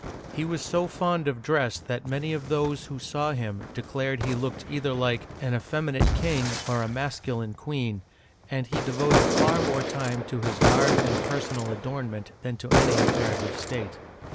He was so fond of dress that many of those who saw him declared he looked either like '* an effeminate king or a masculine queen," and he devoted far more time to his garb and personal adornment than to any affairs of state.